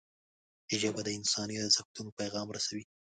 ژبه د انساني ارزښتونو پیغام رسوي